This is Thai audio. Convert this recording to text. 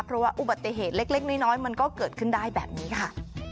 เพราะว่าอุบัติเหตุเล็กน้อยมันก็เกิดขึ้นได้แบบนี้ค่ะ